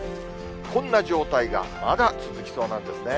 こんな状態がまだ続きそうなんですね。